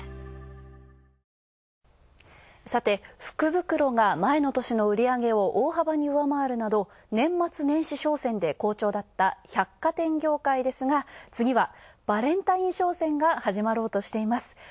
福袋が前の年の売り上げを大幅に上回るなど年末年始商戦で好調だった百貨店業界ですが、次はバレンタイン商戦が始まろうとしています。